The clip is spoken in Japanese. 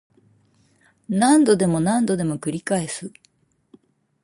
何度でも何度でも繰り返す